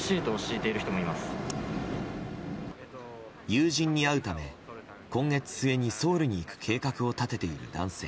友人に会うため今月末にソウルに行く計画を立てている男性。